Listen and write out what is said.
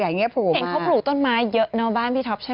เห็นเขาปลูกต้นไม้เยอะเนอะบ้านพี่ท็อปใช่ไหม